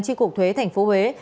chi cục thuế tp huế